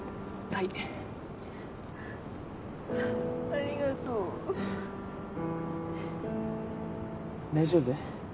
大丈夫？